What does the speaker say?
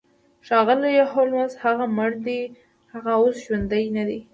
ښاغلی هولمز هغه مړ دی هغه اوس ژوندی ندی